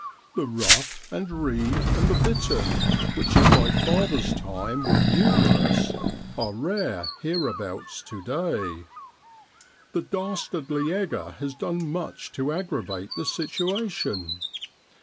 The ruff and reeve and the bittern, which in my father's time were JANUA RT IN BROADLA ND. 15 numerous, are rare hereabouts to day. The dastardly egger has done much to aggravate the situation.